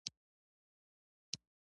دوی د طالبانو کړنو پر ناسموالي پوه شوي.